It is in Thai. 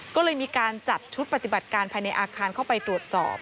ก็เลยมีการจัดชุดปฏิบัติการภายในอาคารเข้าไปตรวจสอบ